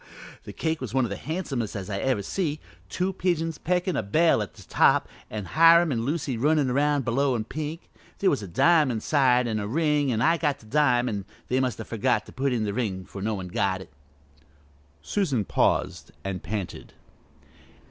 The cake was one o' the handsomest as I ever see, two pigeons peckin' a bell on top and Hiram an' Lucy runnin' around below in pink. There was a dime inside an' a ring, an' I got the dime, an' they must have forgot to put in the ring for no one got it." Susan paused and panted.